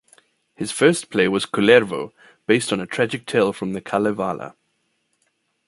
His first play was "Kullervo", based on a tragic tale from the "Kalevala".